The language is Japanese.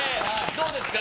どうですか？